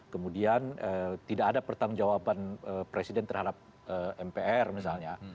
kemudian tidak ada pertanggung jawaban presiden terhadap mpr misalnya